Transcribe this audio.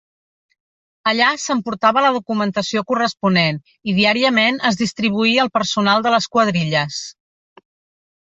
Allà s'emportava la documentació corresponent i diàriament es distribuïa el personal de les quadrilles.